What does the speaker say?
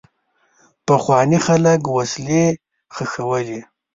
پخواني خلک وسلې ښخولې.